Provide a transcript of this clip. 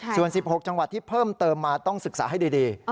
ส่วน๑๖จังหวัดที่เพิ่มเติมมาต้องศึกษาให้ดี